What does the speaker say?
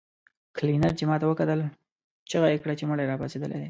کلينر چې ماته وکتل چيغه يې کړه چې مړی راپاڅېدلی دی.